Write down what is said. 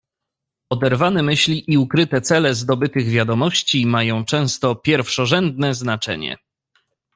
"Oderwane myśli i ukryte cele zdobytych wiadomości mają często pierwszorzędne znaczenie."